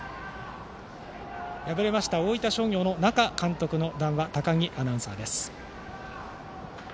敗れました大分商業の那賀監督の談話高木アナウンサーです。